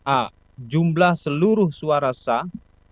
a jumlah seluruh suara sah